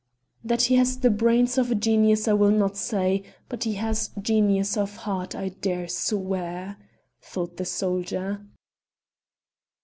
"That he has the brains of a genius I will not say, but he has genius of heart, I dare swear!" thought the soldier.